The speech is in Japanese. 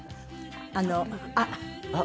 あのあっ！